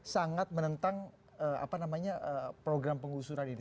sangat menentang program penggusuran ini